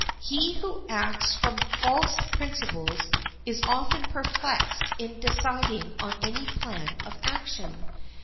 He who acts from false principles is often perplexed in deciding on any plan of action.